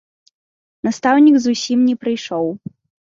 Настаўнік зусім не прыйшоў.